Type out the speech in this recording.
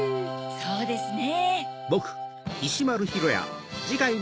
そうですね。